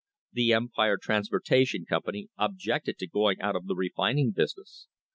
The Empire Transportation Company objected to going out of the refin ing business.